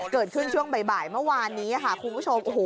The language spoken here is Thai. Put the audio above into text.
เกิดขึ้นช่วงบ่ายเมื่อวานนี้ค่ะคุณผู้ชม